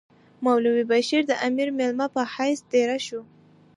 مولوی بشیر د امیر مېلمه په حیث دېره شو.